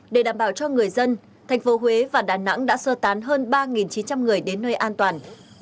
để đảm bảo cho người dân thành phố huế và đà nẵng đã sơ tán hơn ba chín trăm linh người đến nơi an toàn